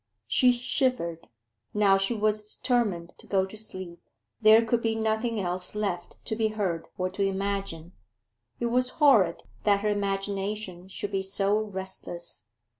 She shivered. Now she was determined to go to sleep; there could be nothing else left to be heard or to imagine it was horrid that her imagination should be so restless.